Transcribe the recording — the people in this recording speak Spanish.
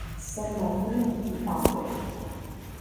San Martin, y Av.